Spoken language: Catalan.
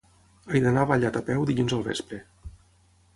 He d'anar a Vallat a peu dilluns al vespre.